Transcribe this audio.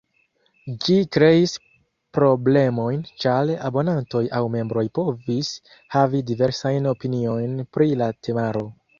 Ĝi kreis problemojn, ĉar abonantoj aŭ membroj povis havi diversajn opiniojn pri la temaro.